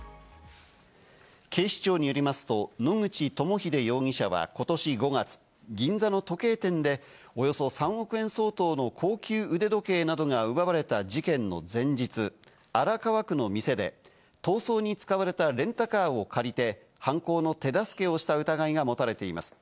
警視庁によりますと、野口朋秀容疑者はことし５月、銀座の時計店でおよそ３億円相当の高級腕時計などが奪われた事件の前日、荒川区の店で、逃走に使われたレンタカーを借りて、犯行の手助けをした疑いが持たれています。